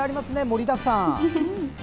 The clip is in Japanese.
盛りだくさん！